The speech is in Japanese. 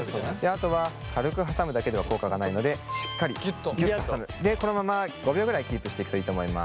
あとは軽く挟むだけでは効果がないのででこのまま５秒ぐらいキープしていくといいと思います。